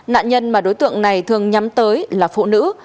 nạn nhân mà đối tượng này thường nhắm tới là phụ nữ